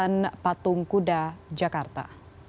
kawasan patung kuda jakarta